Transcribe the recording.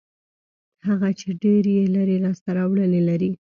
هغه چې ډېر یې لري لاسته راوړنې لري.